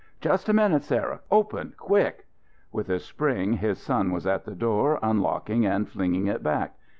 "Just a minute, Sarah. Open quick!" With a spring, his son was at the door, unlocking and flinging it back.